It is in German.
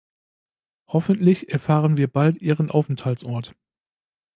Hoffentlich erfahren wir bald ihren Aufenthaltsort.